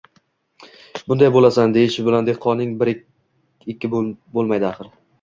bunday bo‘lasan” deyish bilan dehqonning biri ikki bo‘lmaydi axir!